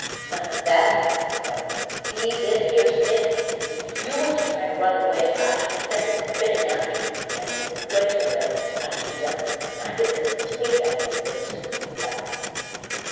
"None of that," he cried. "See this here stick? If you was to try to run away I should send it spinning after you, and it would break your legs and knock you down, and I could send the tigs after you, and they'd soon bring you back."